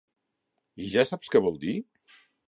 I ja saps què vol dir.